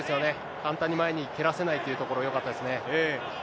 簡単に前に蹴らせないというところがよかったですね。